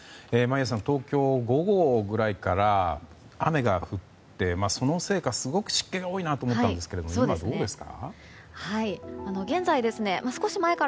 眞家さん東京は午後ぐらいから雨が降ってそのせいかすごく湿気が多いなと思ったんですが今はどうですか？